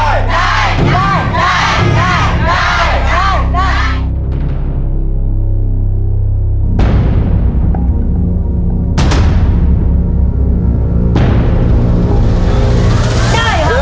ได้ครับ